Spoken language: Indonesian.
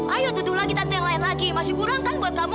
ayo tutup lagi tante yang lain lagi masih kurang kan buat kamu